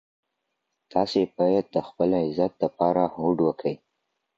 تاسي باید د خپل عزت دپاره هوډ وکئ.